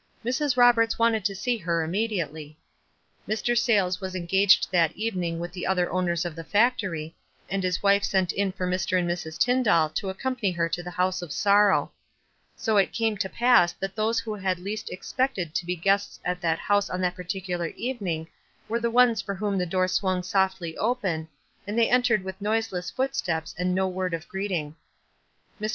"Mrs. Roberts wanted to see her immediately." Mr. WISE AND OTHERWISE. 275 Sayles was engaged that evening with the other owners of the factory, and his wife sent in for Mr. and Mrs. Tyndall to accompany her to the house of sorrow. So it came to pass that those who had least expected to be guests at that house on that particular evening were the ones for whom the door swung softly open, and the)'' entered with noiseless footsteps and no word of greeting. Mr.